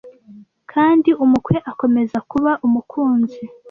kandi umukwe akomeza kuba umukunzi